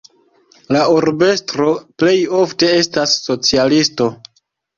La urbestro plej ofte estas socialisto.